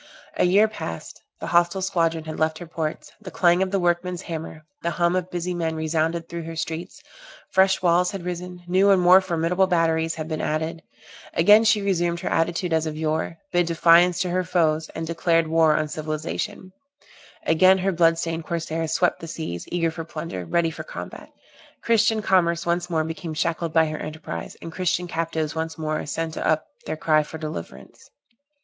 A year passed, the hostile squadron had left her ports, the clang of the workman's hammer, the hum of busy men resounded through her streets, fresh walls had risen, new and more formidable batteries had been added; again she resumed her attitude as of yore, bid defiance to her foes, and declared war on civilization: again her blood stained corsairs swept the seas, eager for plunder, ready for combat; Christian commerce once more became shackled by her enterprise, and Christian captives once more sent up their cry for deliverance.